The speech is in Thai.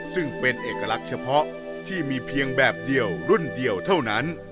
ซึ่งเป็นเอกลักษณ์เฉพาะที่มีเพียงแบบเดียวรุ่นเดียวเท่านั้น